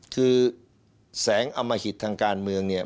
คือแสงอมหิตทางการเมืองเนี่ย